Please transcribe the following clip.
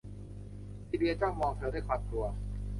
ซีเลียจ้องมองเธอด้วยความกลัว